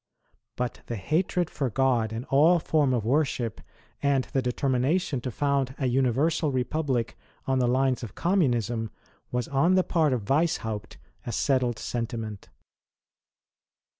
But the hatred for God and all form of worship, and the determina tion to found a universal republic on the lines of Communism, was on the part of Weishaupt a settled sentiment.